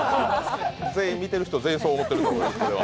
見てる人、全員そう思ってると思います。